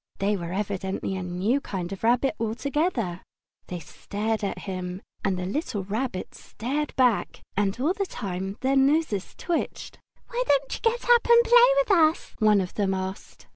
They were evidently a new kind of rabbit altogether. Summer Days They stared at him, and the little Rabbit stared back. And all the time their noses twitched. "Why don't you get up and play with us?" one of them asked.